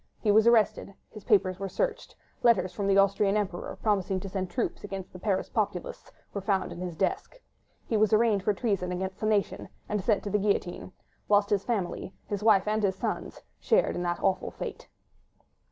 He was arrested. His papers were searched: letters from the Austrian Emperor, promising to send troops against the Paris populace, were found in his desk. He was arraigned for treason against the nation, and sent to the guillotine, whilst his family, his wife and his sons, shared this awful fate.